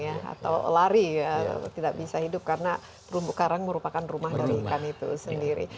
atau lari tidak bisa hidup karena terumbu karang merupakan rumah dari ikan itu sendiri